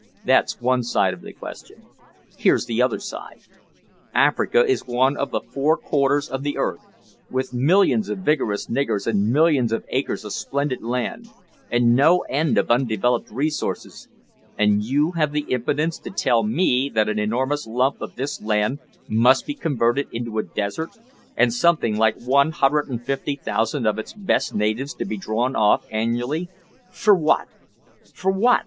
That's one side of the question. Here's the other side: Africa is one of the four quarters of the earth, with millions of vigorous niggers and millions of acres of splendid land, and no end of undeveloped resources, and you have the impudence to tell me that an enormous lump of this land must be converted into a desert, and something like 150,000 of its best natives be drawn off annually for what? for what?"